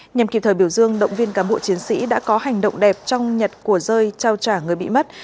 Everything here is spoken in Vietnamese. nhằm kịp thời biểu dương động viên cán bộ chiến sĩ đã có hành động đẹp trong nhặt của rơi trao trả người bị mất